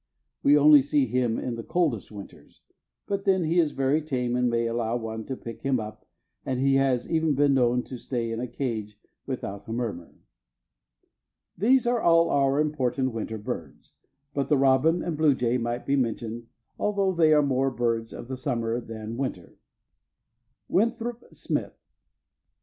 We only see him in the coldest winters, but then he is very tame and may allow one to pick him up, and he has even been known to stay in a cage without a murmur. These are all our important winter birds, but the robin and bluejay might be mentioned although they are more birds of the summer than winter. Winthrop Smith.